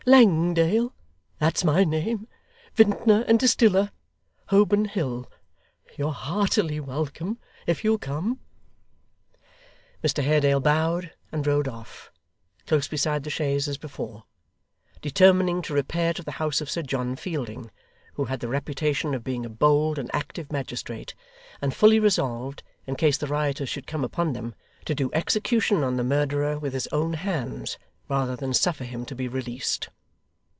Langdale that's my name vintner and distiller Holborn Hill you're heartily welcome, if you'll come.' Mr Haredale bowed, and rode off, close beside the chaise as before; determining to repair to the house of Sir John Fielding, who had the reputation of being a bold and active magistrate, and fully resolved, in case the rioters should come upon them, to do execution on the murderer with his own hands, rather than suffer him to be released.